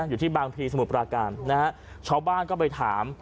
อยู่ที่บางพีสมุทรปราการนะฮะชาวบ้านก็ไปถาม